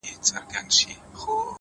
پرمختګ له ننني اقدام راټوکېږي!